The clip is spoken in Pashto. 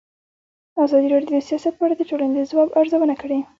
ازادي راډیو د سیاست په اړه د ټولنې د ځواب ارزونه کړې.